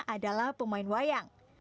adalah pemain wayang